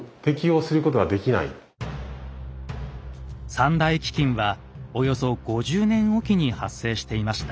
三大飢饉はおよそ５０年おきに発生していました。